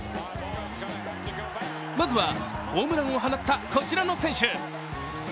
まずはホームランを放ったこちらの選手。